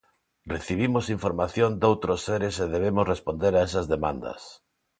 Recibimos información doutros seres e debemos responder a esas demandas.